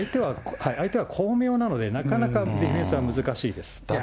相手は巧妙なので、なかなかディフェンスは難しいです。